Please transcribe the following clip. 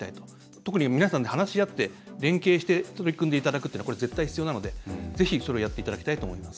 特に皆さんで話し合って連携して取り組んでいただくというのは絶対、必要なのでぜひそれをやっていただきたいと思います。